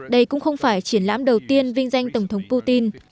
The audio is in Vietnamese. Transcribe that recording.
đây cũng không phải triển lãm đầu tiên vinh danh tổng thống putin